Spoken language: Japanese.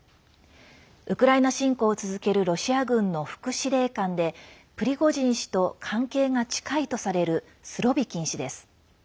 ウクライナ侵攻を続けるロシア軍の副司令官でプリゴジン氏と関係が近いとされるスロビキン氏です。